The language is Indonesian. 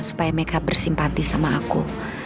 supaya mereka bersimpati sama aku